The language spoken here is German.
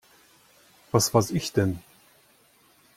Was weiß ich denn?